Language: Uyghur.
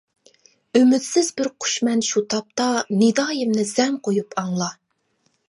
ئۈمىدسىز بىر قۇشمەن شۇ تاپتا، نىدايىمنى زەن قويۇپ ئاڭلا.